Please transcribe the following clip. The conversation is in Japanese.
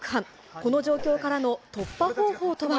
この状況からの突破方法とは。